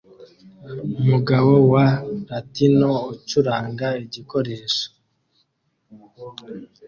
Umugabo wa latino ucuranga igikoresho